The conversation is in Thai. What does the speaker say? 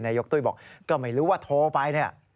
ยกตุ้ยบอกก็ไม่รู้ว่าโทรไปเนี่ย